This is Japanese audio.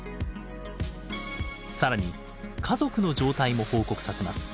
更に家族の状態も報告させます。